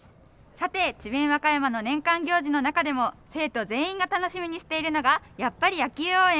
さて、智弁和歌山の年間行事の中でも生徒全員が楽しみにしているのがやっぱり野球応援。